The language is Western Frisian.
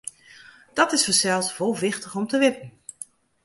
Dat is fansels wol wichtich om te witten.